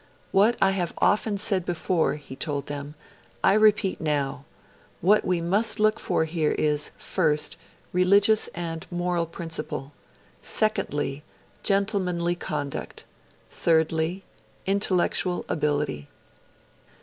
'What I have often said before,' he told them, 'I repeat now: what we must look for here is, first, religious and moral principle; secondly, gentlemanly conduct; and thirdly, intellectual ability.'